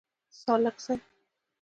سالک صیب.